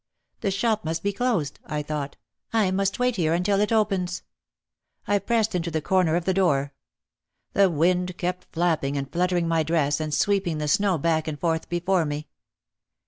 "The shop must be closed," I thought. "I must wait here until it opens." I pressed into the corner of the door. The wind kept flapping and fluttering my dress and sweeping the snow back and forth before me.